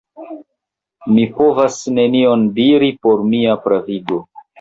Mi povas nenion diri por mia pravigo.